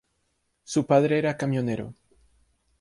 Su padre era camionero.